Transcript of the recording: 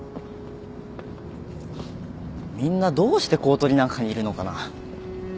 みんなどうして公取なんかにいるのかな。